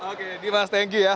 oke dimas thank you ya